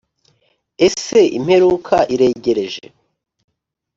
Ese imperuka iregereje